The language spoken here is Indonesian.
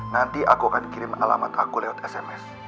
nanti aku akan kirim alamat aku lewat sms